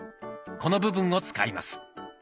この部分を使います。